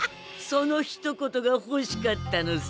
そのひと言がほしかったのさ。